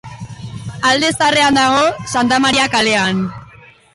Alde Zaharrean dago, Santa Maria kalean.